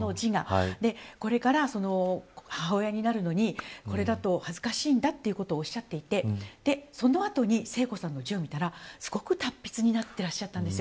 これから母親になるのにこれだと恥ずかしいんだということをおっしゃっていてその後に聖子さんの字を見たらすごく達筆になっていらっしゃったんです。